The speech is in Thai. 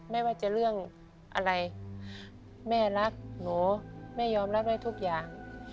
ไม่ว่าจะเรื่องอะไรแม่รักหนูแม่ยอมรับได้ทุกอย่าง